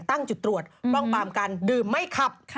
ตั้งจุดตรวจป้องปรามการดื่มไม่ขับ